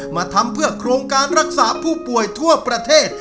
มาทำเพื่อโครงการรักษาผู้ป่วยทั่วประเทศ